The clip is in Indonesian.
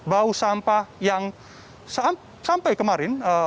bau sampah yang sampai kemarin